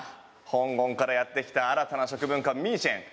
香港からやってきた新たな食文化ミーシェン。